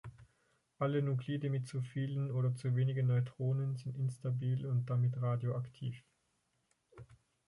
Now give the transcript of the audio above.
Alle Nuklide mit zu vielen oder zu wenigen Neutronen sind instabil und damit radioaktiv.